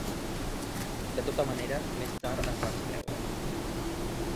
De tota manera, més tard es va extreure.